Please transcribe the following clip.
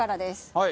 はい。